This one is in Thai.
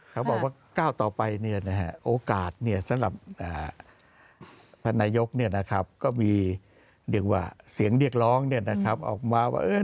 เขาบอกว่าก้าวต่อไปโอกาสสำหรับท่านนายกก็มีเรียกว่าเสียงเรียกร้องออกมาว่า